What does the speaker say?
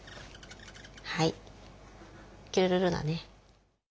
はいキュルルだね。